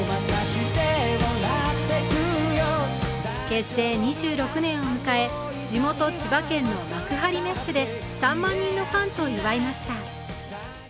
結成２６年を迎え地元・千葉県の幕張メッセで３万人のファンと祝いました。